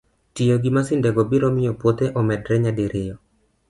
Tiyo gi masindego biro miyo puothe omedre nyadiriyo